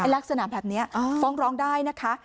ลักษณะแบบนี้ฟ้องร้องได้นะคะ